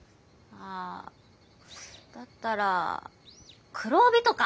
あだったら黒帯とか。